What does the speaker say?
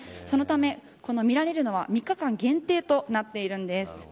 そのため見られるのはこの３日間限定となっています。